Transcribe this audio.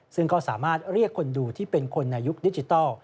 ซึ่งก็สามารถเรียกคนดูที่เป็นคนในยุคดิจิทัล